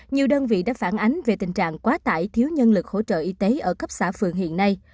nhiều đơn vị đã phản ánh về tình trạng quá tải thiếu nhân lực hỗ trợ y tế ở cấp xã phường hiện nay